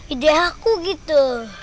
ide aku gitu